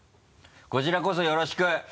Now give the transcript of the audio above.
こちらこそよろしく。